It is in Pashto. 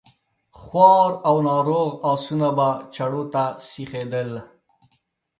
خوار او ناروغ آسونه به چړو ته سيخېدل.